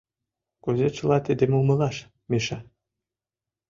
Кузе чыла тидым умылаш, Миша?